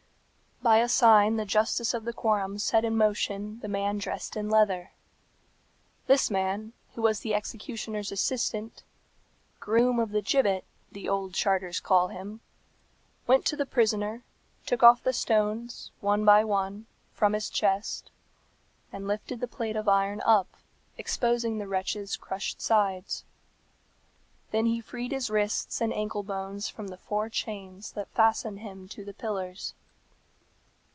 By a sign the justice of the quorum set in motion the man dressed in leather. This man, who was the executioner's assistant, "groom of the gibbet," the old charters call him, went to the prisoner, took off the stones, one by one, from his chest, and lifted the plate of iron up, exposing the wretch's crushed sides. Then he freed his wrists and ankle bones from the four chains that fastened him to the pillars.